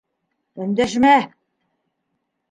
Өндәшмә!..